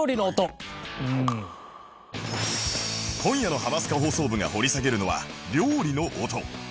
今夜の『ハマスカ放送部』が掘り下げるのは料理の音